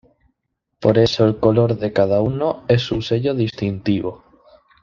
Por eso el color de cada uno es su sello distintivo.